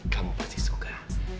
kamu pasti suka